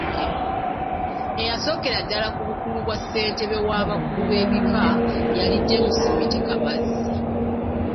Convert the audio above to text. Eyasookera ddala ku bukulu bwa Ssentebe w’abakulu b’ebkika yali James Miti Kabazzi.